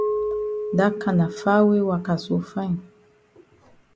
Dat kana far way waka so fine.